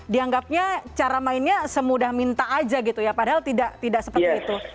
dianggapnya cara mainnya semudah minta aja gitu ya padahal tidak seperti itu